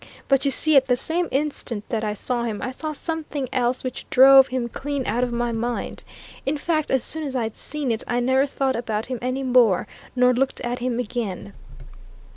But you see, at the same instant that I saw him, I saw something else which drove him clean out of my mind. In fact, as soon as I'd seen it, I never thought about him any more, nor looked at him again."